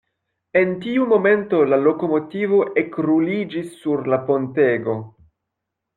En tiu momento la lokomotivo ekruliĝis sur la pontego.